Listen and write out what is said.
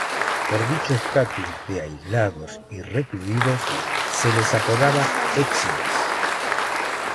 Por dicho estatus de aislados y recluidos, se les apodaba "exiles".